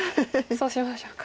そうしましょうか。